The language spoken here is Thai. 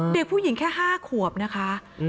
เด็กผู้หญิงแค่๕ขวบนะคะ